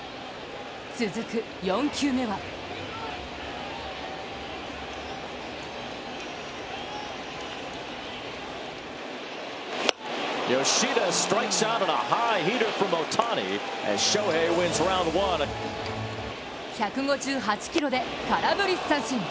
続く４球目は１５８キロで空振り三振。